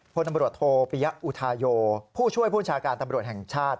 พลตำรวจโทปิยะอุทาโยผู้ช่วยผู้บัญชาการตำรวจแห่งชาติ